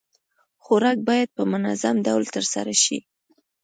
خوراک بايد په منظم ډول ترسره شي.